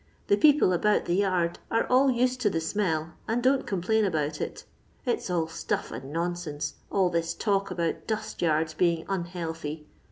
The people about the yard are all used to the smell and don't complain about it. It 's all stuff and nonsense, all this talk about dust yards being unhealthy.